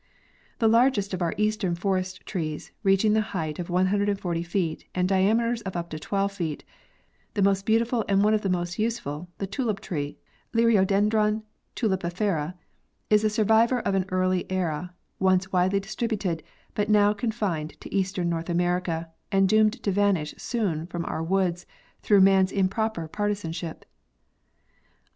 The largest of our eastern forest trees, reaching a height of 140 feet and diameters up to 12 feet, the most beautiful and one of the most useful, the tulip tree (Liriodendron tulipifera), is a survivor of an early era once widely distributed, but now con fined to eastern North America, and doomed to vanish soon from our woods through man's improper partisanship.